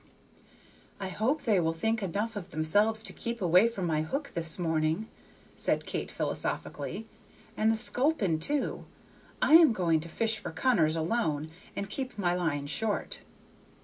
"I hope they will think enough of themselves to keep away from my hook this morning," said Kate, philosophically, "and the sculpin too. I am going to fish for cunners alone, and keep my line short."